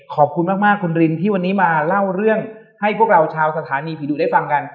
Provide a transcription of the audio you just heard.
ขอบคุณมากคุณรินที่วันนี้มาเล่าเรื่องให้พวกเราชาวสถานีผีดุได้ฟังกัน